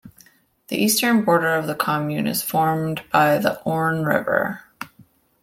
The eastern border of the commune is formed by the Orne river.